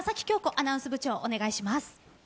アナウンス部長お願いします。